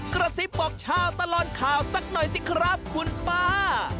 กระซิบบอกชาวตลอดข่าวสักหน่อยสิครับคุณป้า